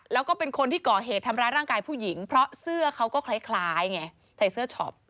แล้วก็เป็นคนที่ก่อเหตุทำร้ายร่างกายผู้หญิงเพราะเสื้อเขาก็คล้ายไงใส่เสื้อช็อป